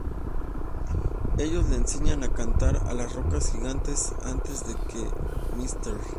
Ellos le enseñan a cantar a las rocas gigantes antes de que Mr.